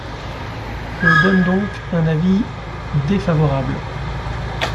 Je donne donc un avis défavorable.